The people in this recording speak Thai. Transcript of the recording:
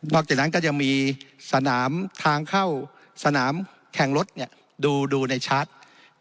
จากนั้นก็ยังมีสนามทางเข้าสนามแข่งรถดูในชาร์จ